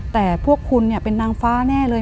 แต่พวกคุณเป็นนางฟ้าแน่เลย